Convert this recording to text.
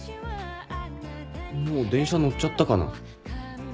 もう電車乗っちゃったかな？